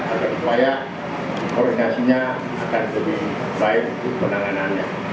agar supaya koordinasinya akan lebih baik penanganannya